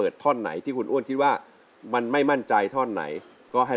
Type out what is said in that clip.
ใช่ไม่มั่นใจท่อนี้